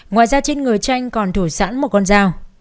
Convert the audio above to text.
ngoài ra trên người tranh còn thổ sẵn một con tàu